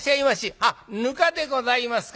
あっ糠でございますか。